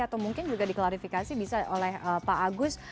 atau mungkin juga diklarifikasi bisa oleh pak agus